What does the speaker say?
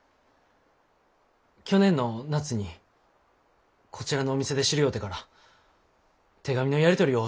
去年の夏にこちらのお店で知り合うてから手紙のやり取りをしょおりました。